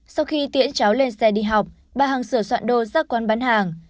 sau khi tiễn cháu lên xe đi học bà hằng sửa soạn đô ra quán bán hàng